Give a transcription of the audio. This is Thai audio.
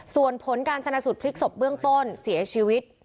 ส่วนผลการชนะสูตรพลิกศพเบื้องต้นเสียชีวิต